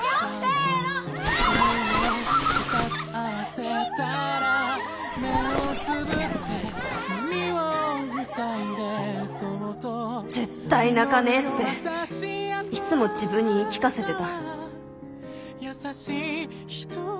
心の声絶対泣かねえっていつも自分に言い聞かせてた。